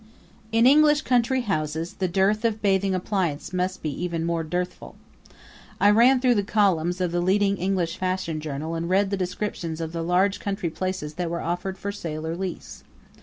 In English country houses the dearth of bathing appliances must be even more dearthful. I ran through the columns of the leading English fashion journal and read the descriptions of the large country places that were there offered for sale or lease.